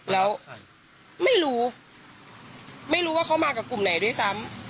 แล้วไม่รู้ไม่รู้ว่าเขามากับกลุ่มไหนด้วยซ้ำ